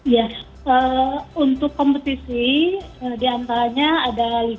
ya untuk kompetisi di antaranya ada liga satu